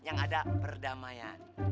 yang ada perdamaian